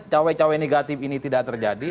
cawe cawe negatif ini tidak terjadi